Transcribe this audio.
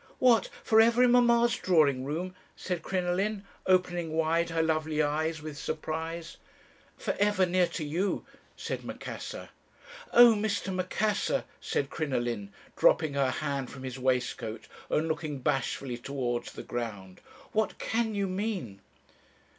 "'What! for ever in mamma's drawing room?' said Crinoline, opening wide her lovely eyes with surprise. "'For ever near to you,' said Macassar. "'Oh, Mr. Macassar,' said Crinoline, dropping her hand from his waistcoat, and looking bashfully towards the ground, 'what can you mean?'